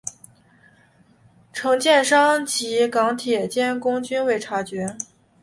承建商及港铁监工均未有察觉。